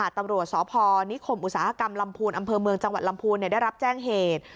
บนทรมานตรวจสนิคมตนาทีอังเภอเมืองจังหวัดลำพูนได้แจ้งเหตุ